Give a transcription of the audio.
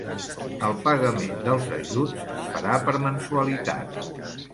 El pagament dels ajuts es farà per mensualitats.